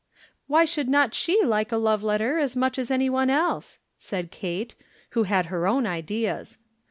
"Why should not she like a love letter as much as any one else?" said Kate, who had her own ideas.